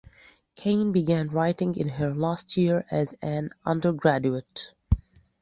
Cain began writing in her last year as an undergraduate.